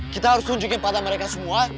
kita harus tunjukin pada mereka semua